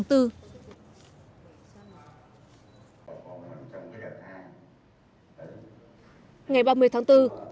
ngày ba mươi tháng bốn tỉnh hà nam đã tạm ứng hơn một trăm linh tỷ đồng từ ngân sách